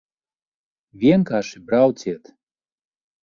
Vienkārši brauciet!